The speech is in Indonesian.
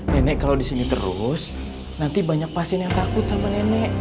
nenek kalau di sini terus nanti banyak pasien yang takut sama nenek